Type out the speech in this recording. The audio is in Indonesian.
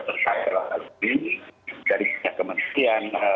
terus kita berkontak kontak